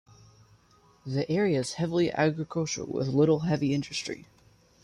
The area is heavily agricultural with little heavy industry.